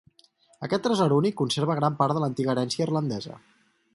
Aquest tresor únic conserva gran part de l'antiga herència irlandesa.